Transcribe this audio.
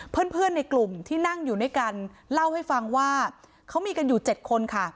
เพื่อนในกลุ่มที่นั่งอยู่ด้วยกันเล่าให้ฟังว่าเขามีกันอยู่๗คนค่ะ